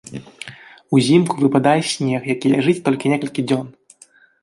Узімку выпадае снег, які ляжыць толькі некалькі дзён.